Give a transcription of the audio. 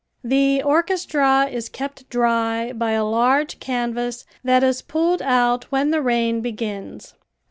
The orchestra is kept dry by a large canvas that is pulled out when the rain begins.